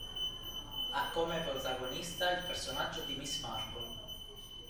Ha come protagonista il personaggio di Miss Marple.